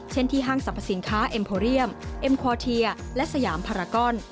ที่ห้างสรรพสินค้าเอ็มโพเรียมเอ็มคอร์เทียและสยามพารากอน